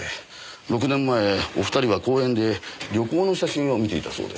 ６年前お二人は公園で旅行の写真を見ていたそうです。